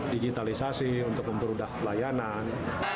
digitalisasi untuk memperudah pelayanan